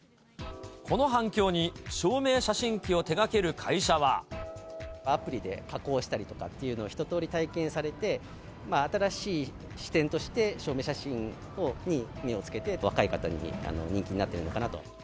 この反響に、アプリで加工したりとかっていうのを一通り体験されて、新しい視点として、証明写真に目をつけて、若い方に人気になってるのかなと。